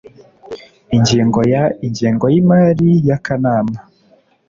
ingingo ya ingengo y imari y akanama